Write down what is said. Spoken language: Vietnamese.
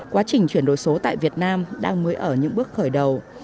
quá trình chuyển đổi số tại việt nam đang mới ở những bước khởi đầu